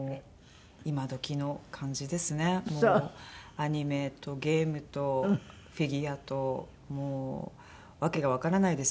アニメとゲームとフィギュアともう訳がわからないです